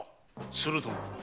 するとも。